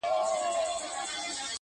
او باید سلو او شلو کسانو ته زنګونه وکړې